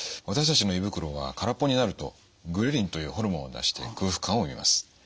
私たちの胃袋は空っぽになるとグレリンというホルモンを出して空腹感を生みます。